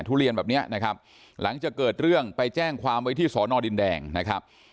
ทุเรียนแบบเนี้ยนะครับหลังจากเกิดเรื่องไปแจ้งความไว้ที่สอนอดินแดงนะครับ